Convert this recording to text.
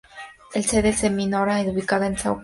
La sede de la emisora se ubicaba en São Paulo.